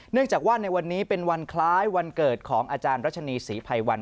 จากว่าในวันนี้เป็นวันคล้ายวันเกิดของอาจารย์รัชนีศรีภัยวัน